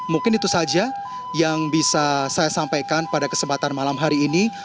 mungkin itu saja yang bisa saya sampaikan pada kesempatan malam hari ini